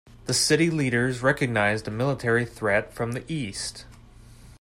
The city leaders recognized a military threat from the east.